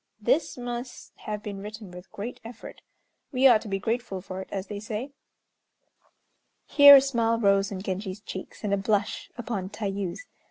This must have been written with great effort. We ought to be grateful for it, as they say." Here a smile rose on Genji's cheeks, and a blush upon Tayû's.